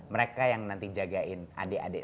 mereka yang nanti jagain adik adik